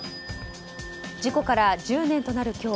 事故から１０年となる今日